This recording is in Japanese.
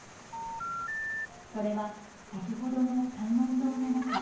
それは先ほどの観音堂の中。